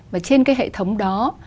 mà trên cái hệ thống đó